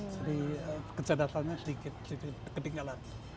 jadi kecerdasannya sedikit sedikit ketinggalan